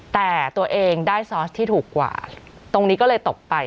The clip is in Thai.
แต่ตัวเองได้ซอสที่ถูกกว่าตรงนี้ก็เลยตกไป